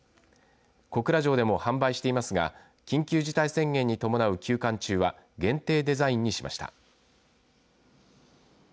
小倉城でも販売していますが緊急事態宣言に伴う休館中は限定デザインにしました。